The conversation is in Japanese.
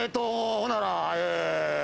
ほならえー。